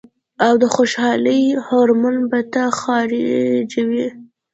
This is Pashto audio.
او د خوشالۍ هارمون به نۀ خارجوي -